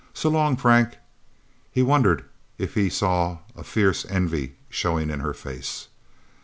"So long, Frank..." He wondered if he saw a fierce envy showing in her face.